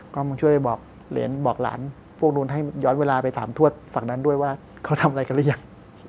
ก็มาช่วยบอกเหรียญบอกหลานพวกนู้นให้ย้อนเวลาไปถามทวดฝั่งนั้นด้วยว่าเขาทำอะไรกันหรือยัง